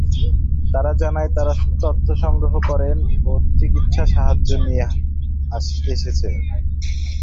তারা জানায় তারা তথ্য সংগ্রহ করতে ও চিকিৎসা সাহায্য নিয়ে এসেছে।